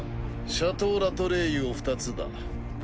「シャトー・ラ・トレイユ」を２つだ。